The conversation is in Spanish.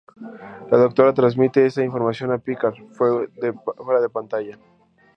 La doctora transmite esta información a Picard fuera de pantalla.